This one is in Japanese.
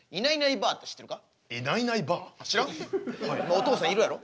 お父さんいるやろ？